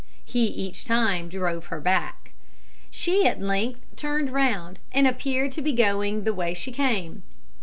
He each time drove her back. She at length turned round, and appeared to be going the way she came.